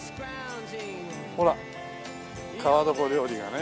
ほら川床料理がね。